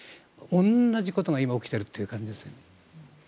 同じことが今起きているという感じです。